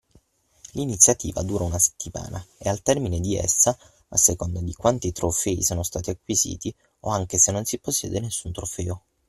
L’iniziativa dura una settimana, e al termine di essa, a seconda di quanti trofei sono stati acquisiti, o anche se non si possiede nessun trofeo.